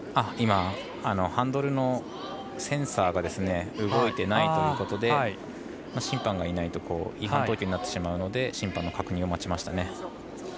今、ハンドルのセンサーが動いていないということで審判がいないと違反行為になってしまうので審判の確認を待ちましたね。